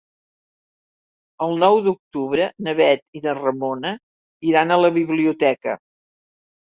El nou d'octubre na Bet i na Ramona iran a la biblioteca.